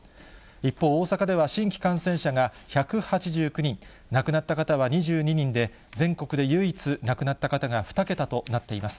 一方、大阪では新規感染者が１８９人、亡くなった方は２２人で、全国で唯一、亡くなった方が２桁となっています。